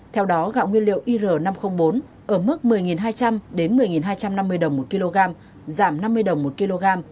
theo đó gạo nguyên liệu ir năm trăm linh bốn ở mức một mươi hai trăm linh một mươi hai trăm năm mươi đồng một kg giảm năm mươi đồng một kg